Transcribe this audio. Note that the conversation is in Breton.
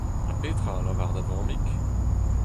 Ha petra a lavar da vammig ?